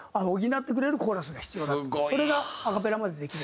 それがアカペラまでできる。